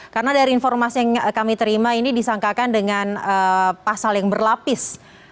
karena dari informasi yang kami terima ini disangkakan dengan pasal yang berlapis